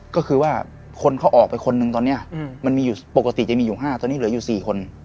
ก็คือว่าคนเขาออกไปคนนึงตอนนี้มันมีอยู่ปกติจะมีอยู่๕ตอนนี้เหลืออยู่๔คน